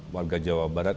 warga jawa barat